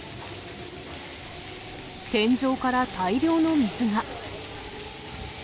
天井から大量の水が。